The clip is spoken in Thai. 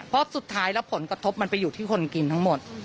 เพราะสุดท้ายแล้วผลกระทบมันไปอยู่ที่คนกินทั้งหมด